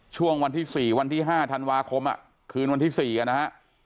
ช่วงวันที่๔วันที่๕ธันวาคมคืนวันที่๔นะฮะ